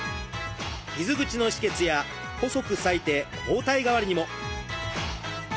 傷口の止血や細く裂いて包帯代わりにも。